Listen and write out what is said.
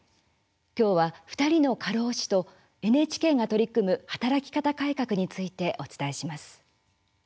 今日は２人の過労死とＮＨＫが取り組む働き方改革についてお伝えします。